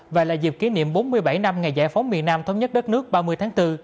và là dịp kỷ niệm bốn mươi bảy năm ngày giải phóng miền nam thống nhất đất nước ba mươi tháng bốn